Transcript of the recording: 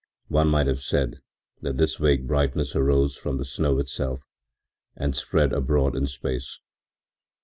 One might have said that this vague brightness arose from the snow itself and spread abroad in space.